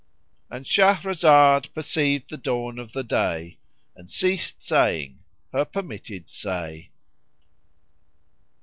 "— And Shahrazad perceived the dawn of day and ceased saying her permitted say.